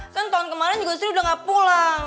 kan tahun kemarin juga istri udah gak pulang